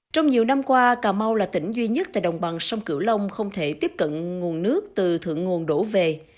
trong nhiều năm qua cà mau là tỉnh duy nhất tại đồng bằng sông cửu long không thể tiếp cận nguồn nước từ thượng nguồn đổ về